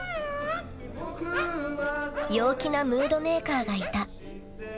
［陽気なムードメーカーがいた］